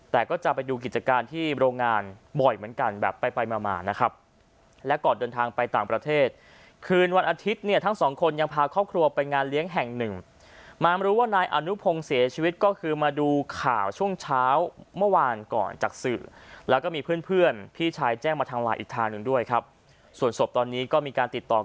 แต่ก็จะไปดูกิจการที่โรงงานบ่อยเหมือนกันแบบไปไปมามานะครับและก่อนเดินทางไปต่างประเทศคืนวันอาทิตย์เนี่ยทั้งสองคนยังพาครอบครัวไปงานเลี้ยงแห่งหนึ่งมารู้ว่านายอนุพงศ์เสียชีวิตก็คือมาดูข่าวช่วงเช้าเมื่อวานก่อนจากสื่อแล้วก็มีเพื่อนเพื่อนพี่ชายแจ้งมาทางไลน์อีกทางหนึ่งด้วยครับส่วนศพตอนนี้ก็มีการติดต่อ